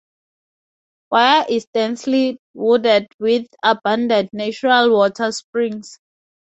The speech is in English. Waya is densely wooded with abundant natural water springs.